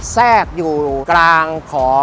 แทรกอยู่กลางของ